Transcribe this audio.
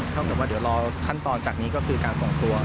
ถ้าเกิดว่าเดี๋ยวรอขั้นตอนจากนี้ก็คือการส่งตัว